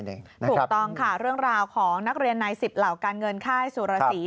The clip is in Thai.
ถูกต้องค่ะเรื่องราวของนักเรียนใน๑๐เหล่าการเงินค่ายสุรสี